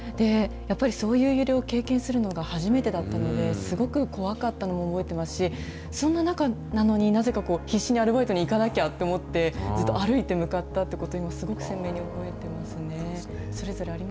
やっぱりそういう揺れを経験するのが初めてだったので、すごく怖かったのを覚えてますし、そんな中なのに、なぜか必死にアルバイトに行かなきゃと思って、ずっと歩いて向かったということを、すごく鮮明に覚えてますね。